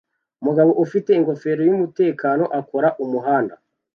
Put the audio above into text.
Umugabo ufite ingofero yumutekano akora umuhanda